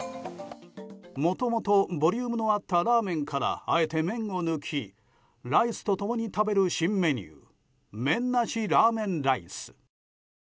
もともとボリュームのあったラーメンからあえて麺を抜きライスと共に食べる新メニュー麺なしラーメンライス。